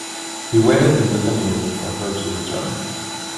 He waited in the living room for her to return.